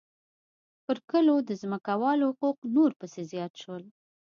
پر کلو د ځمکوالو حقوق نور پسې زیات شول